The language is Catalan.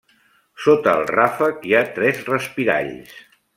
Sota el ràfec hi ha tres respiralls.